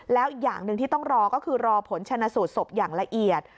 แล้วอีกอย่างหนึ่งที่ต้องรอก็คือรอผลชนะสูตรศพอย่างละเอียด